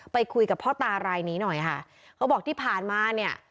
ไปคุยกับพ่อตารายนี้หน่อยค่ะเขาบอกที่ผ่านมาเนี่ย